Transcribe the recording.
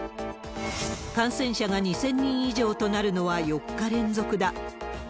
感染者が２０００人以上となるのは４日連続だ。